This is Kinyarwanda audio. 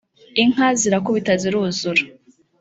inka zirakubita ziruzura